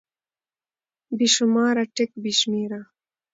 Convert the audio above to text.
بې شماره √ بې شمېره